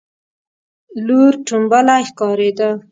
لور ټومبلی ښکارېده.